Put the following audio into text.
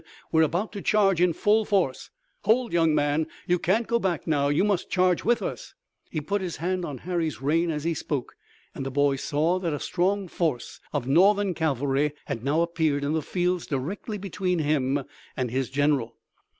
"We're about to charge in full force! Hold, young man! You can't go back now! You must charge with us!" He put his hand on Harry's rein as he spoke, and the boy saw that a strong force of Northern cavalry had now appeared in the fields directly between him and his general.